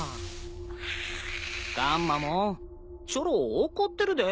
ガンマモンチョロ怒ってるで。